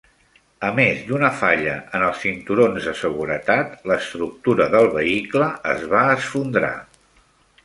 A més d'una falla en els cinturons de seguretat, l'estructura del vehicle es va esfondrar.